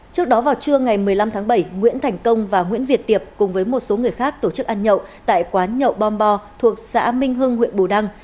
trước đó vào trưa ngày một mươi năm tháng bảy nguyễn thành công và nguyễn việt tiệp cùng với một số người khác tổ chức ăn nhậu tại quán nhậu bom thuộc xã minh hưng huyện bù đăng